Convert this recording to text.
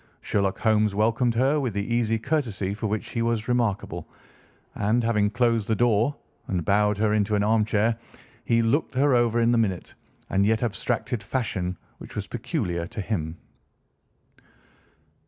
Sherlock Holmes welcomed her with the easy courtesy for which he was remarkable, and, having closed the door and bowed her into an armchair, he looked her over in the minute and yet abstracted fashion which was peculiar to him.